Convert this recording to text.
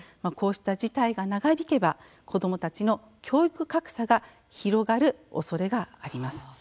こうした事態が長引けば子どもたちの教育格差が広がるおそれがあります。